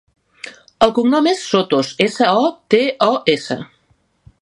El cognom és Sotos: essa, o, te, o, essa.